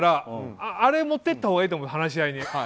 あれ持っていったほうがいいと思う。話し合いに。